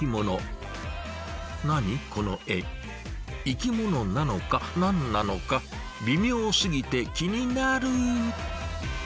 生き物なのか何なのか微妙すぎて気になる。